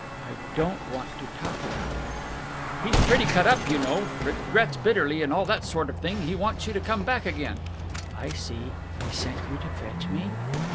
"I don't want to talk about him!" "He's pretty cut up, you know. Regrets bitterly and all that sort of thing. He wants you to come back again." "I see! He sent you to fetch me?"